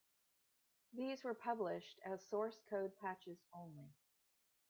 These were published as source code patches only.